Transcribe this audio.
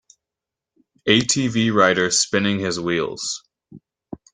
ATV rider spinning his wheels.